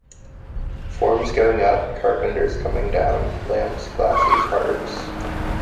Forms going up — carpenters coming down — lamps, glasses, harps.